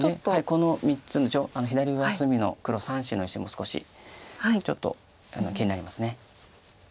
この３つの左上隅の黒３子の石も少しちょっと気になります。